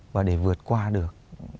và để vượt qua được